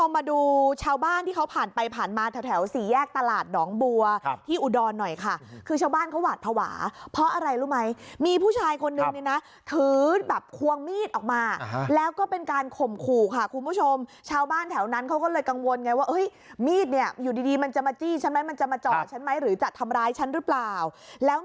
มาดูชาวบ้านที่เขาผ่านไปผ่านมาแถวสี่แยกตลาดหนองบัวที่อุดรหน่อยค่ะคือชาวบ้านเขาหวาดภาวะเพราะอะไรรู้ไหมมีผู้ชายคนนึงเนี่ยนะถือแบบควงมีดออกมาแล้วก็เป็นการข่มขู่ค่ะคุณผู้ชมชาวบ้านแถวนั้นเขาก็เลยกังวลไงว่าเฮ้ยมีดเนี่ยอยู่ดีดีมันจะมาจี้ฉันไหมมันจะมาจ่อฉันไหมหรือจะทำร้ายฉันหรือเปล่าแล้ว